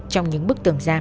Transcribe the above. trong những bức tưởng giam